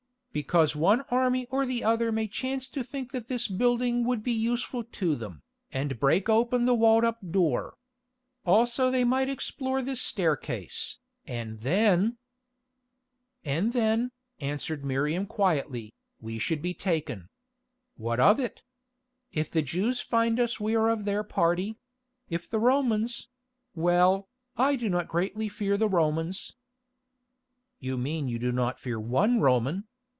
"Because one army or the other may chance to think that this building would be useful to them, and break open the walled up door. Also they might explore this staircase, and then——" "And then," answered Miriam quietly, "we should be taken. What of it? If the Jews find us we are of their party; if the Romans—well, I do not greatly fear the Romans." "You mean you do not fear one Roman.